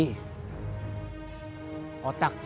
saya bisa berpendidikan tinggi